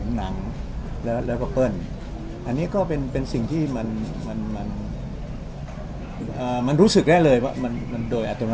หนังแล้วก็เปิ้ลอันนี้ก็เป็นสิ่งที่มันมันรู้สึกได้เลยว่ามันโดยอัตโน